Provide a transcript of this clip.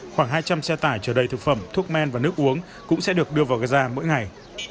khoảng hai trăm linh xe tải chở đầy thực phẩm thuốc men và nước uống cũng sẽ được đưa vào gaza mỗi ngày